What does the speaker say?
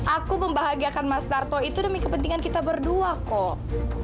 aku membahagiakan mas darto itu demi kepentingan kita berdua kok